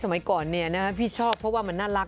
สมัยก่อนพี่ชอบเพราะว่ามันน่ารัก